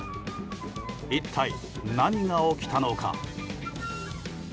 一体何が起きたのか。